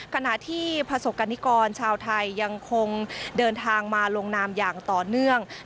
ขณะที่ประสบกรณิกรชาวไทยยังคงเดินทางมาลงนามอย่างต่อเนื่อง